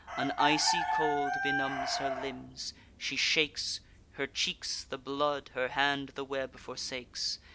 An icy cold benumbs her limbs; she shakes; Her cheeks the blood, her hand the web forsakes.